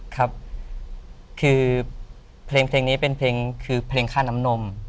ครับคือเพลงนี้เป็นเพลงคือเพลงค่าน้ำนม